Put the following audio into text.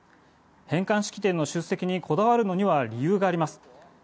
返還式典の出席にこだわるのには理由があります。